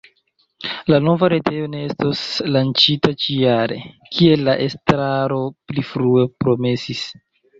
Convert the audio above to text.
La nova retejo ne estos lanĉita ĉi-jare, kiel la estraro pli frue promesis.